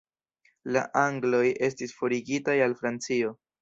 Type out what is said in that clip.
La Angloj estis forigitaj el Francio.